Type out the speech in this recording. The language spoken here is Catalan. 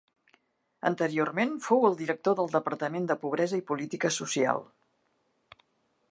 Anteriorment, fou el director del Departament de Pobresa i Política Social.